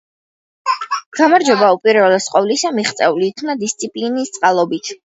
გამარჯვება, უპირველეს ყოვლისა, მიღწეულ იქნა დისციპლინის წყალობით.